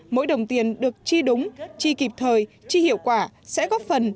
mỗi đồng tiền được chi đúng chi kịp thời chi hiệu quả sẽ góp phần